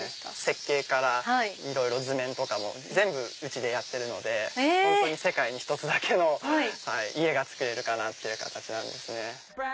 設計からいろいろ図面とかも全部うちでやってるので本当に世界に一つだけの家が作れるかなっていう形なんです。